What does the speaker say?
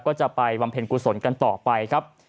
ก็จะไปบำเพ็ญกุศลกันต่อไปครับ